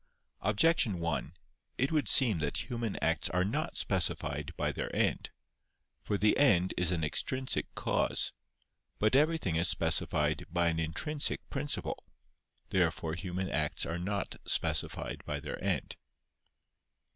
Objection 1: It would seem that human acts are not specified by their end. For the end is an extrinsic cause. But everything is specified by an intrinsic principle. Therefore human acts are not specified by their end.